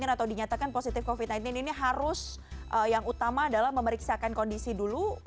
atau dinyatakan positif covid sembilan belas ini harus yang utama adalah memeriksakan kondisi dulu